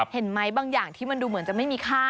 เห็นไหมบางอย่างที่มันดูเหมือนจะไม่มีค่า